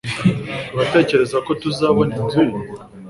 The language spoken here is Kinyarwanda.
Uratekereza ko tuzabona inzu ye